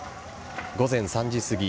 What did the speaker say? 午前３時すぎ